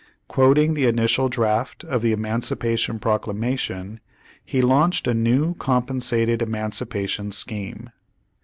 Quoting the initial draft of the Emancipation Proclamation, he launched a new compensated emancipation scheme.